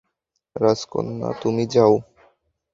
রাজকন্যা, তুমি যাও।